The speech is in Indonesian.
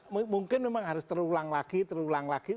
mungkin memang harus terulang lagi terulang lagi